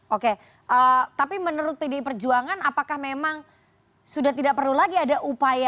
oke tapi menurut pdi perjuangan apakah memang sudah tidak perlu lagi ada upaya